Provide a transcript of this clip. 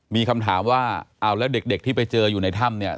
มีคำถามว่าเอาแล้วเด็กที่ไปเจออยู่ในถ้ำเนี่ย